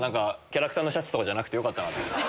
キャラクターのシャツじゃなくてよかった。